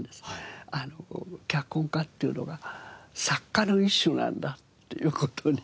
脚本家っていうのが作家の一種なんだっていう事。